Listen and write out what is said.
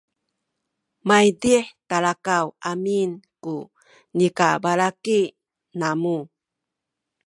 maydih talakaw amin ku nikabalaki namu